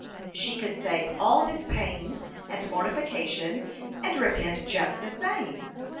She could save all this pain and mortification, and repent just the same.